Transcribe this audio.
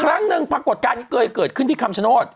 ครั้งหนึ่งปรากฏการณ์เกิดขึ้นที่คำชนอด